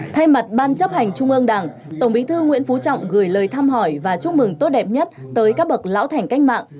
thay mặt ban chấp hành trung ương đảng tổng bí thư nguyễn phú trọng gửi lời thăm hỏi và chúc mừng tốt đẹp nhất tới các bậc lão thành cách mạng